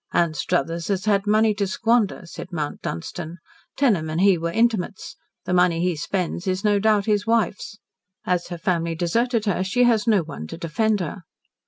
"Anstruthers has had money to squander," said Mount Dunstan. "Tenham and he were intimates. The money he spends is no doubt his wife's. As her family deserted her she has no one to defend her."